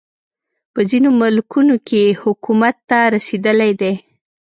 په ځینو ملکونو کې حکومت ته رسېدلی دی.